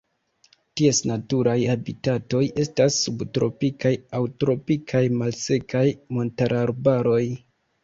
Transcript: Ties naturaj habitatoj estas subtropikaj aŭ tropikaj malsekaj montararbaroj.